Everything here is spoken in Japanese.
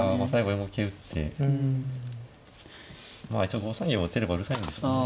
まあ一応５三銀を打てればうるさいんですよね。